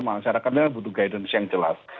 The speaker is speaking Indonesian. masyarakat memang butuh guidance yang jelas